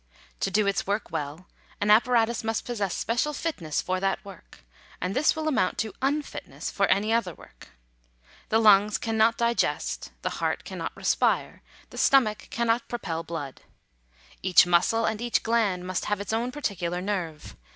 To do its work well, an appa ratus must possess special fitness for that work ; and this will amount to unfitness for any other work. The lungs cannot di gest, the heart cannot respire, the stomach cannot propel blood. Each muscle and each gland must have its own particular nerve.